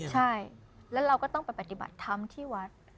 ใช่แล้วเราก็ต้องไปปฏิบัติธรรมที่วัด